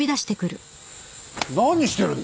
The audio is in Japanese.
何してるんだ？あっ。